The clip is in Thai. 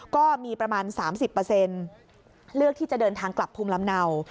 ก็มีประมาณ๓๐เลือกที่จะเดินทางกลับภูมิลำเนา